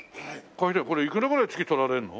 これいくらぐらい月取られるの？